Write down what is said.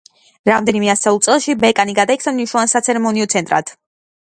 რამდენიმე ასეულ წელში, ბეკანი გადაიქცა მნიშვნელოვან საცერემონიო ცენტრად.